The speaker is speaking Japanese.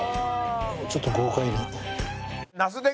ちょっと豪快に。